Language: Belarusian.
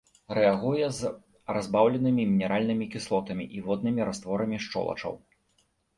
Рэагуе з разбаўленымі мінеральнымі кіслотамі і воднымі растворамі шчолачаў.